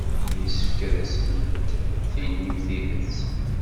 Yessefk ad asent-tinim tidet.